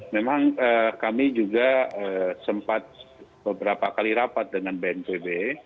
memang kami juga sempat beberapa kali rapat dengan bnpb